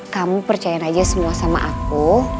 kamu percayain aja semua sama aku